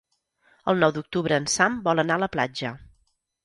El nou d'octubre en Sam vol anar a la platja.